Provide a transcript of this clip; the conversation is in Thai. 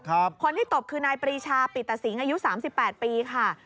คนที่ตบคือนายปรีชาปิตสิงอายุ๓๘ปีค่ะ